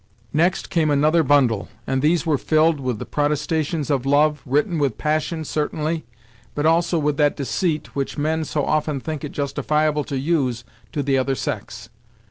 Next came another bundle, and these were filled with the protestations of love, written with passion certainly, but also with that deceit which men so often think it justifiable to use to the other sex.